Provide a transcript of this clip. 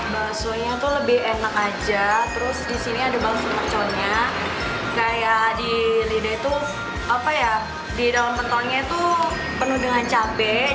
bakso nya tuh lebih enak aja terus di sini ada bakso merconnya kayak di lidah itu apa ya di dalam pentolnya itu penuh dengan daging